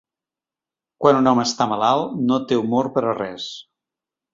Quan un hom està malalt, no té humor per a res.